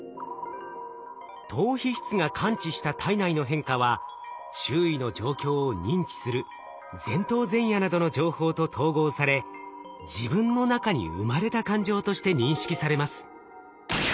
島皮質が感知した体内の変化は周囲の状況を認知する前頭前野などの情報と統合され自分の中に生まれた感情として認識されます。